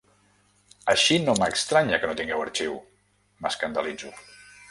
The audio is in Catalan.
Així no m'estranya que no tingui arxiu! —m'escandalitzo.